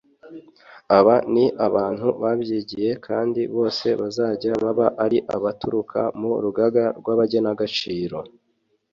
Aba ni abantu babyigiye kandi bose bazajya baba ari abaturuka mu rugaga rw’abagenagaciro